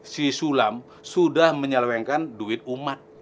si sulam sudah menyelewengkan duit umat